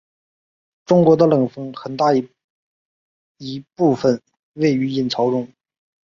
中国的冷锋有很大一部分位于隐槽中。